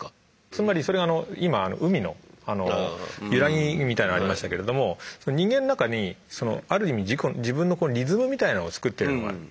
つまりそれ今「海のゆらぎ」みたいなのありましたけれども人間の中にそのある意味自分のリズムみたいなのをつくってるところがある。